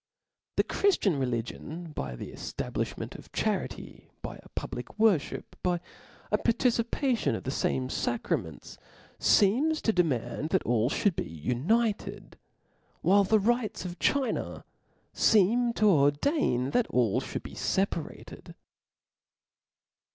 The Chriftian religion, by the eftablifliment of charity, by a public worfhip, by a participation o^ the fame facraments, feems to demand, that all Ihould be united , while the rites of China fcem to ordain that all (hould be feparated.